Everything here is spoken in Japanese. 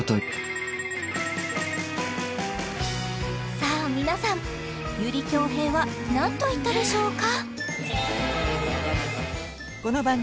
さあ皆さん由利匡平はなんと言ったでしょうか？